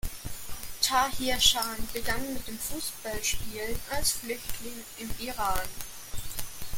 Tahir Shah begann mit dem Fußballspielen als Flüchtling im Iran.